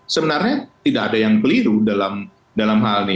sebenarnya tidak ada yang keliru dalam hal ini